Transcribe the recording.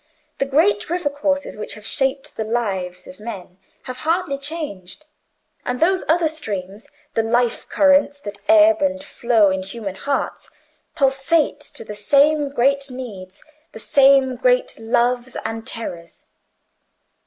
The great river courses which have shaped the lives of men have hardly changed; and those other streams, the life currents that ebb and flow in human hearts, pulsate to the same great needs, the same great loves and terrors.